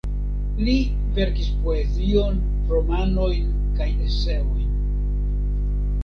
Li verkis poezion, romanojn kaj eseojn.